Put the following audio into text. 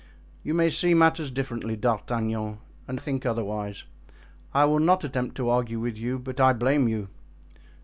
You may see matters differently, D'Artagnan, and think otherwise. I will not attempt to argue with you, but I blame you."